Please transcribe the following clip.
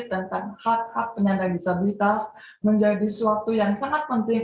tentang hak hak penyandang disabilitas menjadi suatu yang sangat penting